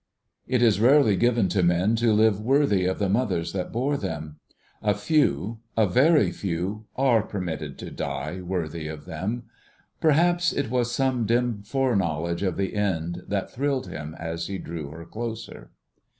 It is rarely given to men to live worthy of the mothers that bore them; a few—a very few—are permitted to die worthy of them. Perhaps it was some dim foreknowledge of the end that thrilled him as he drew her closer.